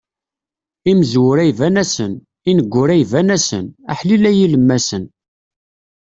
Imezwura iban-asen, ineggura iban-asen, aḥlil a yilemmasen.